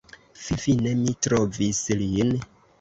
Finfine mi trovis lin